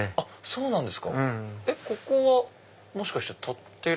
そうなんですか！